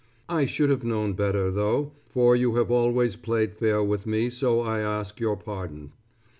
I should have known better, though, for you have always played fair with me so I ask your pardon.